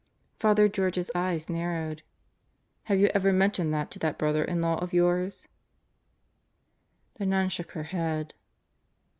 Father George's eyes narrowed. "Have you ever mentioned that to that brother in law of yours?" The nun shook her head.